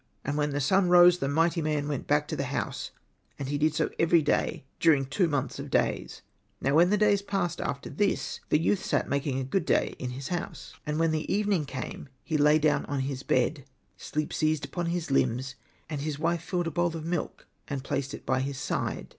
And when the sun rose the mighty man went back to the house ; and he did so every day, during two months of days. Now when the days passed after this, the youth sat making a good day in his house. Hosted by Google 26 THE DOOMED PRINCE And when the evening came he lay down on his bed, sleep seized upon his hmbs ; and his wife filled a bowl of milk, and placed it by his side.